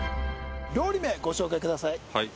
料理名ご紹介ください